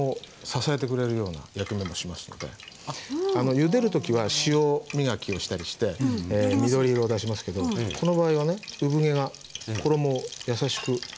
ゆでる時は塩磨きをしたりして緑色を出しますけどこの場合はね産毛が衣を優しく守っていますから。